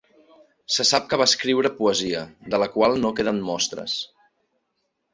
Se sap que va escriure poesia, de la qual no queden mostres.